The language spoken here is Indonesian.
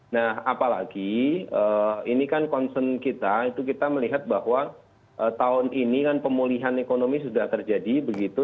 nah apalagi ini kan concern kita itu kita melihat bahwa tahun ini kan pemulihan ekonomi sudah terjadi begitu